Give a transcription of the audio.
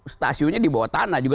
isiunya di bawah tanah